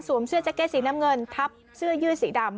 เสื้อแจ็กเก็ตสีน้ำเงินทับเสื้อยืดสีดำ